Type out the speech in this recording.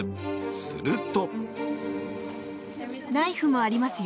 すると。